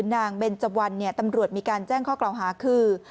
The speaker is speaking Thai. เบนเจวันตำรวจมีการแจ้งข้อกล่าวหาคือ